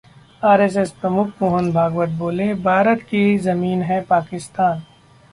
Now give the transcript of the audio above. RSS प्रमुख मोहन भागवत बोले, भारत की जमीन है पाकिस्तान